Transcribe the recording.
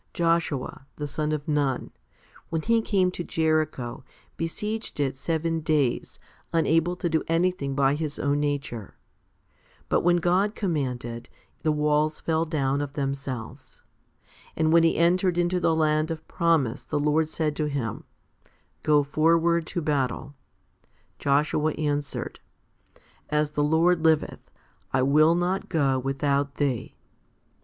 Joshua, the son of Nun, when he came to Jericho, besieged it seven days, unable to do anything by his own nature ; but when God commanded, the walls fell down of themselves. And when he entered into the land of promise, the Lord said to him, "Go 308 HOMILY L 309 forward to battle "; Joshua answered, " As the Lord liveth, I will not go without Thee."